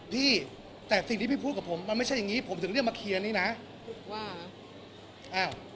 พี่แต่สิ่งที่พี่พูดกับผมมันไม่ใช่อย่างงี้ผมถึงเรียกมาเคลียร์นี่นะว่าอ้าว